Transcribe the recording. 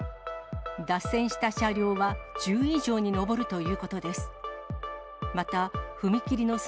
脱線した車両は、１０以上に上るということです。